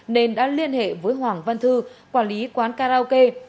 nên đã liên hệ với hoàng văn thư quản lý quán karaoke